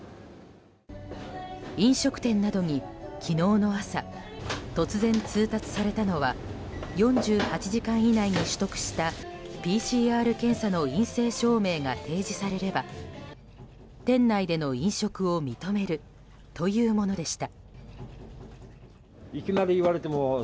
飲食店などに昨日の朝突然、通達されたのは４８時間以内に取得したＰＣＲ検査の陰性証明が提示されれば店内での飲食を認めるというものでした。